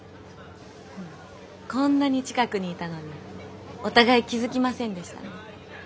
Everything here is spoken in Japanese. こんなに近くにいたのにお互い気付きませんでしたね。